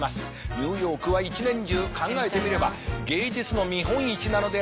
ニューヨークは一年中考えてみれば芸術の見本市なのであります。